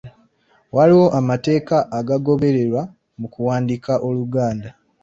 Waliwo amateeka agagobererwa mu kuwandiika Oluganda.